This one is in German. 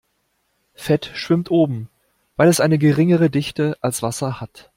Fett schwimmt oben, weil es eine geringere Dichte als Wasser hat.